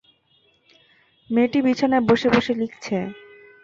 মেয়েটি বিছানায় বসে বসে লিখেছে।